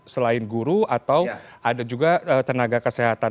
selain guru atau ada juga tenaga kesehatan